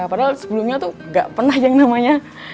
padahal sebelumnya itu nggak pernah yang namanya